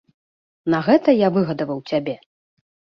На гэта я выгадаваў цябе?